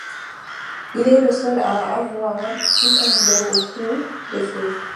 Il est le seul à avoir succombé aux coups de feu.